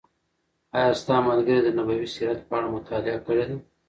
آیا ستا ملګري د نبوي سیرت په اړه مطالعه کړې ده؟